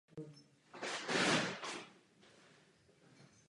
Na pátečním summitu by se mělo diskutovat o Portugalsku.